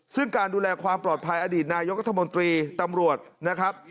ซึ่งการดูแลความปลอดภัยอดีตนายกรัฐมนตรีตำรวจนะครับ